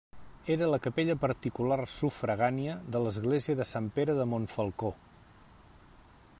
Era la capella particular sufragània de l'església de Sant Pere de Montfalcó.